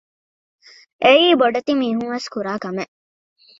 އެއީ ބޮޑެތި މީހުންވެސް ކުރާ ކަމެއް